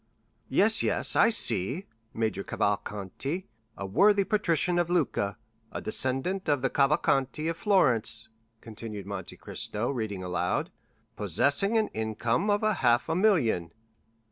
"Yes, yes, I see. 'Major Cavalcanti, a worthy patrician of Lucca, a descendant of the Cavalcanti of Florence,'" continued Monte Cristo, reading aloud, "'possessing an income of half a million.